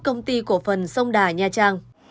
công ty cổ phần sông đà nha trang